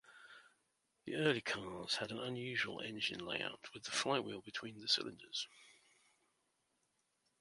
The early cars had an unusual engine layout with the flywheel between the cylinders.